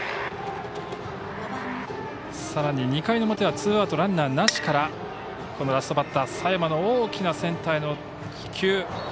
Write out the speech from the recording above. さらに２回の表はツーアウト、ランナーなしからラストバッター、佐山の大きなセンターへの飛球。